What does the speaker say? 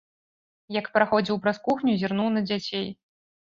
Як праходзіў праз кухню, зірнуў на дзяцей.